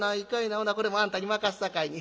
ほなこれもあんたに任すさかいに。